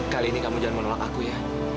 kali ini kamu jangan menolak aku ya